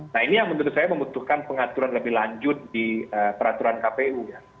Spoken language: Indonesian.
nah ini yang menurut saya membutuhkan pengaturan lebih lanjut di peraturan kpu ya